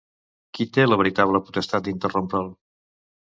Qui té la veritable potestat d'interrompre'l?